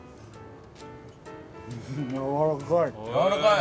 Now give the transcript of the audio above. やわらかい？